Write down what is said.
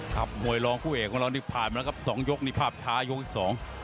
มวยรองคู่เอกของเรานี่ผ่านมาแล้วครับสองยกนี่ภาพช้ายกที่สอง